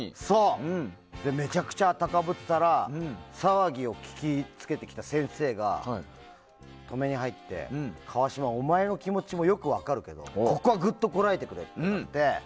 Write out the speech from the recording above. めちゃくちゃ昂ってたら騒ぎを聞きつけてきた先生が止めに入って、川島お前の気持ちもよく分かるけどここはぐっとこらえてくれって言われて。